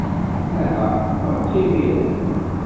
Aha, beṛka imir-a.